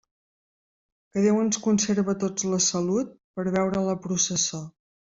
Que Déu ens conserve a tots la salut, per a veure la processó.